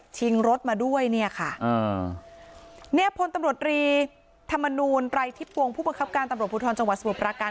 รถมาด้วยเนี่ยค่ะอ่าเนี่ยพลตำรวจรีธรรมนูลไรทิพวงผู้บังคับการตำรวจภูทรจังหวัดสมุทรปราการ